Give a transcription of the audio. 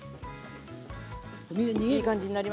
いい感じになりました。